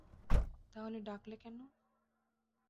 তাহলে ডাকলে কেন?